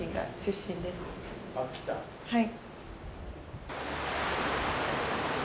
はい。